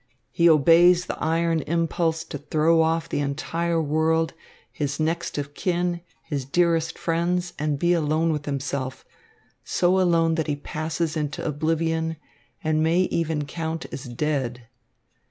He obeys the iron impulse to throw off the entire world, his next of kin, his dearest friends, and be alone with himself, so alone that he passes into oblivion and may even count as dead.